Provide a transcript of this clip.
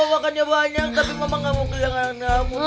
cukup cukup cukup